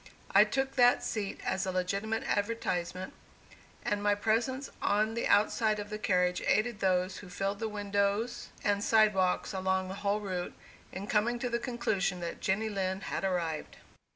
I took that seat as a legitimate advertisement, and my presence on the outside of the carriage aided those who filled the windows and [Illustration: JENNY LIND.] sidewalks along the whole route, in coming to the conclusion that Jenny Lind had arrived.